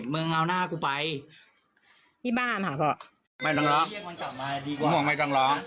มึงเอาหน้ากูไปที่บ้านค่ะพอไม่หลงร้องมึงห่วงไม่จังหรอ